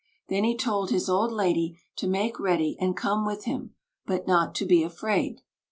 Then he told his old lady to make ready and come with him, but not to be afraid.